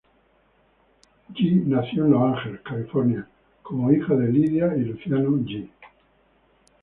Yi nació en Los Angeles, California, como hija de Lydia y Luciano Yi.